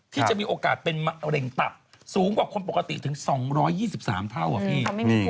ที่จะมีโอกาสเป็นมะเร็งตับสูงกว่าคนปกติถึง๒๒๓เท่าอะพี่